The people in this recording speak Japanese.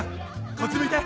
こっち向いて。